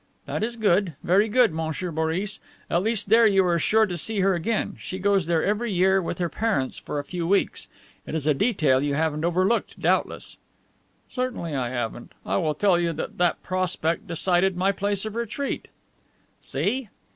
"That is good, very good, Monsieur Boris. At least there you are sure to see her again. She goes there every year with her parents for a few weeks. It is a detail you haven't overlooked, doubtless." "Certainly I haven't. I will tell you that that prospect decided my place of retreat." "See!"